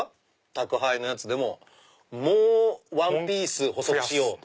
宅配のやつでももうワンピース細くしよう！